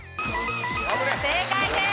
正解です。